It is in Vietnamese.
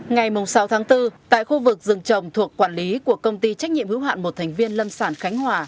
ngày sáu tháng bốn tại khu vực rừng trồng thuộc quản lý của công ty trách nhiệm hữu hạn một thành viên lâm sản khánh hòa